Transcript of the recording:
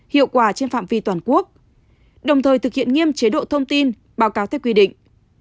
hiệu quả trên phạm vi toàn quốc đồng thời thực hiện nghiêm chế độ thông tin báo cáo theo quy định